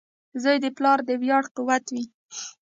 • زوی د پلار د ویاړ قوت وي.